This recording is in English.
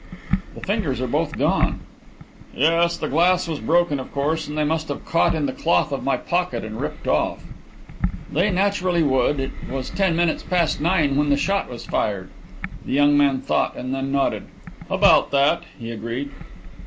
"The fingers are both gone." "Yes; the glass was broken, of course, and they must have caught in the cloth of my pocket and ripped off." "They naturally would; it was ten minutes past nine when the shot was fired." The young man thought and then nodded. "About that," he agreed.